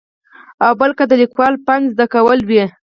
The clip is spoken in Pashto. او بل که د لیکوالۍ فن زده کول وي.